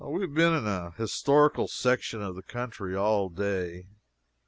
We have been in a historical section of country all day.